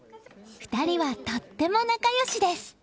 ２人は、とっても仲良しです。